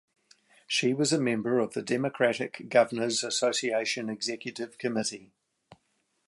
She was a member of the Democratic Governors Association Executive Committee.